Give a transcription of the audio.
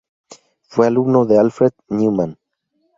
Fue alumno de Alfred Neumann.